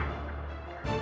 kamu sengaja kan